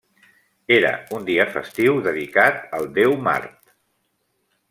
Era un dia festiu dedicat al déu Mart.